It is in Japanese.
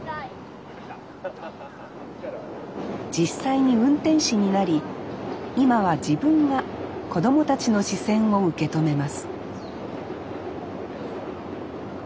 実際に運転士になり今は自分が子供たちの視線を受け止めます